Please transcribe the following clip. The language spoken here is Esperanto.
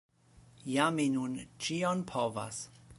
Ja mi nun ĉion povas.